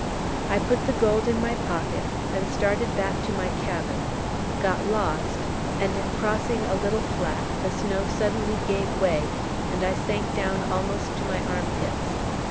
I put the gold in my pocket, and started back to my cabin; got lost, and in crossing a little flat the snow suddenly gave way, and I sank down almost to my arm pits.